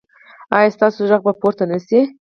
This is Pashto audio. ایا ستاسو غږ به پورته نه شي؟